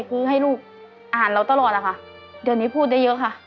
คือให้ลูกอ่านเราตลอดอะค่ะเดือนนี้พูดได้เยอะค่ะ